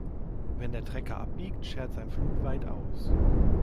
Wenn der Trecker abbiegt, schert sein Pflug weit aus.